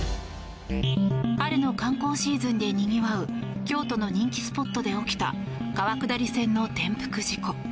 春の観光シーズンでにぎわう京都の人気スポットで起きた川下り船の転覆事故。